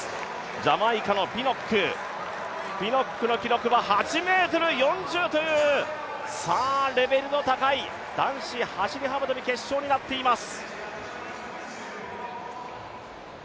ジャマイカのピノックの記録は８ｍ４０という、さあ、レベルの高い男子走幅跳決勝になっています。